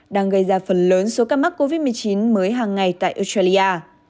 đang gây ra phần lớn số ca mắc covid một mươi chín mới hàng ngày tại australia